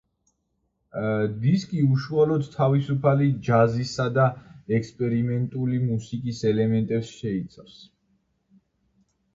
დისკი უშუალოდ თავისუფალი ჯაზისა და ექსპერიმენტული მუსიკის ელემენტებს შეიცავს.